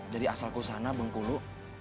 dari asalku sana bengkulu